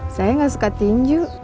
saya gak suka tinju